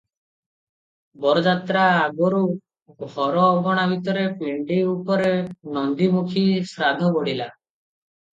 ବରଯାତ୍ରା ଆଗରୁ ଘର ଅଗଣା ଭିତରେ ପିଣ୍ଡି ଉପରେ ନାନ୍ଦୀମୁଖୀ ଶ୍ରାଦ୍ଧ ବଢ଼ିଲା ।